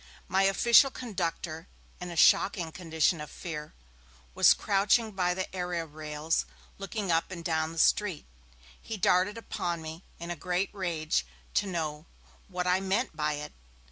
My official conductor, in a shocking condition of fear, was crouching by the area rails looking up and down the street. He darted upon me, in a great rage, to know 'what I meant by it?'